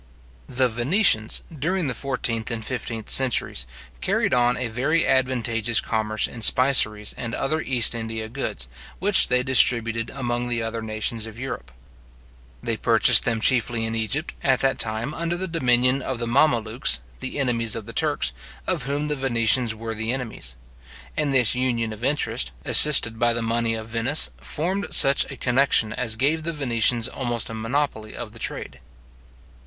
The Venetians, during the fourteenth and fifteenth centuries, carried on a very advantageous commerce in spiceries and other East India goods, which they distributed among the other nations of Europe. They purchased them chiefly in Egypt, at that time under the dominion of the Mamelukes, the enemies of the Turks, of whom the Venetians were the enemies; and this union of interest, assisted by the money of Venice, formed such a connexion as gave the Venetians almost a monopoly of the trade.